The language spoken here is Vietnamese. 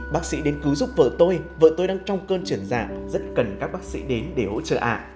bác sĩ đến cứu giúp vợ tôi vợ tôi đang trong cơn trường giả rất cần các bác sĩ đến để hỗ trợ ạ